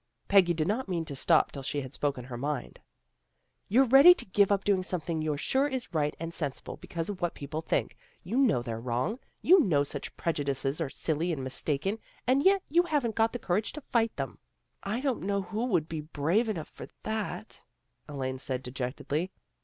Peggy did not mean to stop till she had spoken her mind. " You're ready to give up doing something you're sure is right and sen sible because of what people think. You know they're wrong. You know such preju dices are silly and mistaken and yet you haven't got the courage to fight them." " I don't know who would be brave enough for that," Elaine said dejectedly.